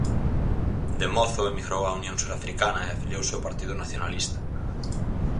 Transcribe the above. De mozo emigrou á Unión Surafricana e afiliouse ao partido nacionalista.